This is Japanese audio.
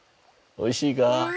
おいしいか？